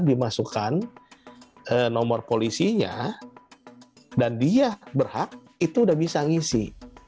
dimasukkan nomor polisinya dan dia berhak itu udah bisa ngisi